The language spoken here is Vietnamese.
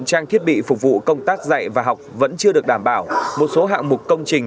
trang thiết bị phục vụ công tác dạy và học vẫn chưa được đảm bảo một số hạng mục công trình